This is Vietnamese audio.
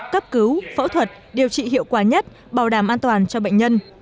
cấp cứu phẫu thuật điều trị hiệu quả nhất bảo đảm an toàn cho bệnh nhân